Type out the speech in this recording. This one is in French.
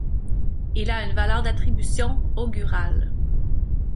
Il a une valeur d'attribution augurale.